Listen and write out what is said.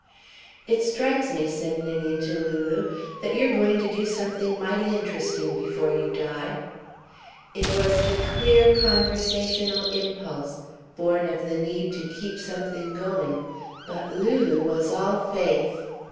"It strikes me," said Ninian to Lulu, "that you're going to do something mighty interesting before you die." It was the clear conversational impulse, born of the need to keep something going, but Lulu was all faith.